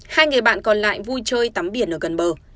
hai người bạn còn lại vui chơi tắm biển ở gần bờ